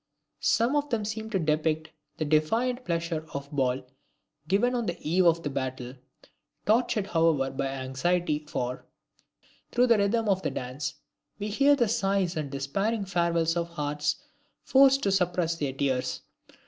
Some of them seem to depict the defiant pleasure of the ball given on the eve of battle, tortured however by anxiety for, through the rhythm of the dance, we hear the sighs and despairing farewells of hearts forced to suppress their tears.